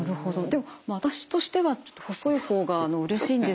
でも私としては細い方がうれしいんですけれども。